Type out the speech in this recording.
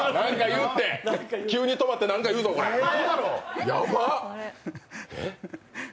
急に止まって何か言うぞ、ヤバ！